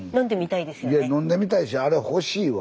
いや飲んでみたいしあれ欲しいわ。